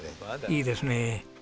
いいですねえ。